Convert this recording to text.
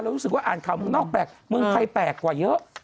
รู้สึกว่าอ่านข่าวเมืองนอกแปลกเมืองไทยแปลกกว่าเยอะ